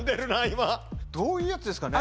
今どういうやつですかね？